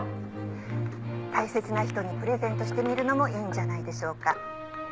「大切な人にプレゼントしてみるのもいいんじゃないでしょうか」